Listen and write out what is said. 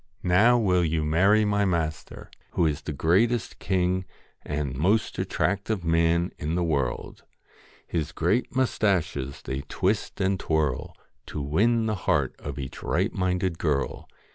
Now will you marry my master, who is the greatest king and most attractive man in the world '" His great moustaches they twist and twirl, To win the heart of each right minded girl.